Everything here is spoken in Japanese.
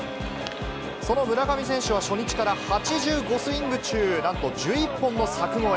その村上選手は初日から、８５スイング中、なんと１１本の柵越え。